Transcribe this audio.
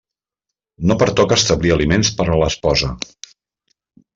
No pertoca establir aliments per a l'esposa.